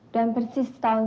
dan persis setahun